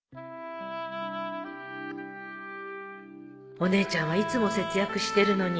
お姉ちゃんはいつも節約してるのに